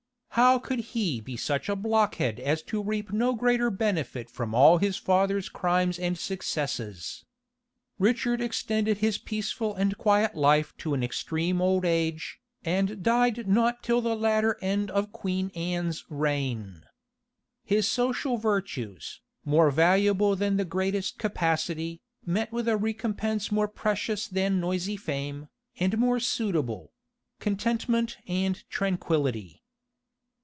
How could he be such a blockhead as to reap no greater benefit from all his father's crimes and successes?" Richard extended his peaceful and quiet life to an extreme old age, and died not till the latter end of Queen Anne's reign. His social virtues, more valuable than the greatest capacity, met with a recompense more precious than noisy fame, and more suitable contentment and tranquillity.